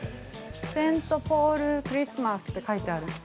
セント・ポールクリスマスって書いてある。